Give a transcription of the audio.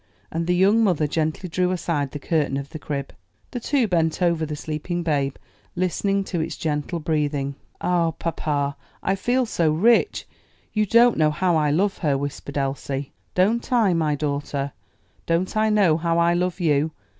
And the young mother gently drew aside the curtain of the crib. The two bent over the sleeping babe, listening to its gentle breathing. "Ah, papa, I feel so rich! you don't know how I love her!" whispered Elsie. "Don't I, my daughter? don't I know how I love you?"